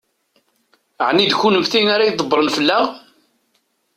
Ɛni d kennemti ara ydebbṛen fell-aɣ?